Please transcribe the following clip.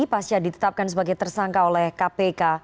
pasca ditetapkan sebagai tersangka oleh kpk